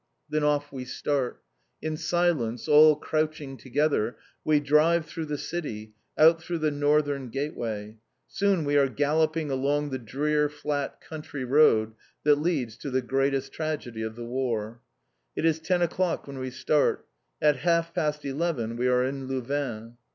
Then off we start. In silence, all crouching together, we drive through the city, out through the northern gateway; soon we are galloping along the drear flat country road that leads to the greatest tragedy of the War. It is ten o'clock when we start. At half past eleven we are in Louvain.